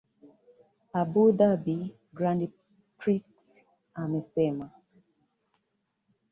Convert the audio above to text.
abu dhabi grand prix amesema